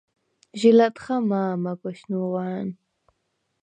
ჟი ლა̈ტხა მა̄მაგვეშ ნუღვა̄̈ნ.